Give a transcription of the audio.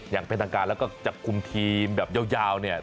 อย่างเป็นทางการแล้วก็จัดคุมทีมแบบยาวเนี่ย